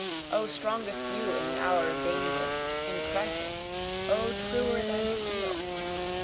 O strongest you in the hour of danger, in crisis! O truer than steel!)